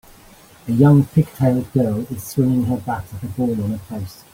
A young pigtailed girl, is swinging her bat at a ball on a post.